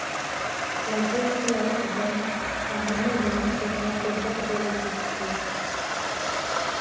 La guérilla urbaine a mené le Nigeria au bord de la rupture.